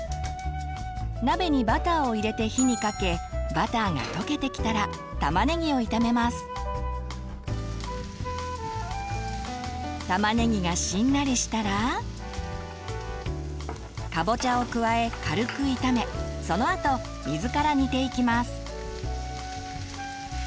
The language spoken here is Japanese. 鍋にバターを入れて火にかけ玉ねぎがしんなりしたらかぼちゃを加え軽く炒めそのあと水から煮ていきます。